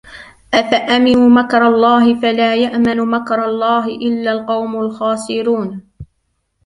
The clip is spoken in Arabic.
أَفَأَمِنُوا مَكْرَ اللَّهِ فَلَا يَأْمَنُ مَكْرَ اللَّهِ إِلَّا الْقَوْمُ الْخَاسِرُونَ